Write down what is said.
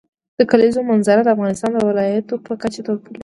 د کلیزو منظره د افغانستان د ولایاتو په کچه توپیر لري.